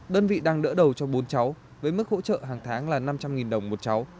đơn vị đang đỡ đầu cho bốn cháu với mức hỗ trợ hàng tháng là năm trăm linh đồng một cháu